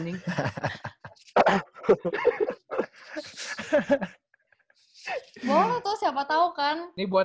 gila tapi tiktok asik tuh